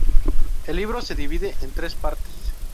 El libro se divide en tres partes.